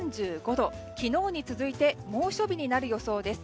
昨日に続いて猛暑日になる予想です。